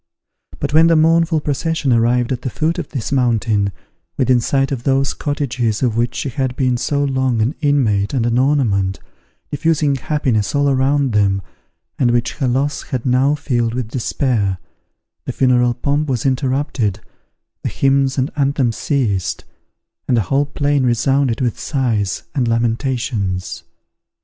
But when the mournful procession arrived at the foot of this mountain, within sight of those cottages of which she had been so long an inmate and an ornament, diffusing happiness all around them, and which her loss had now filled with despair, the funeral pomp was interrupted, the hymns and anthems ceased, and the whole plain resounded with sighs and lamentations.